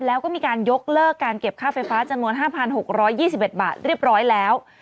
แล้วก็มีการยกเลิกการเก็บค่าไฟฟ้าจำนวน๕๖๒๑บาทเรียบร้อยแล้ว